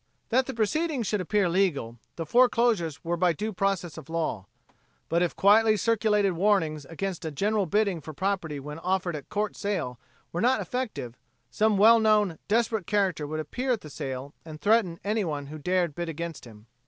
That the proceedings should appear legal, the foreclosures were by due process of law. But if quietly circulated warnings against a general bidding for property when offered at court sale were not effective, some well known desperate character would appear at the sale and threaten anyone who dared bid against him.